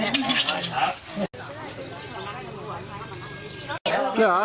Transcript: สวัสดีครับทุกคน